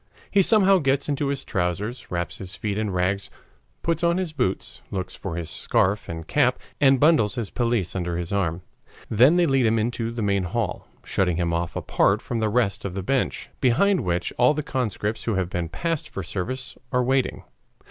He somehow gets into his trousers, wraps his feet in rags, puts on his boots, looks for his scarf and cap, and bundles his pelisse under his arm. Then they lead him into the main hall, shutting him off apart from the rest by a bench, behind which all the conscripts who have been passed for service are waiting.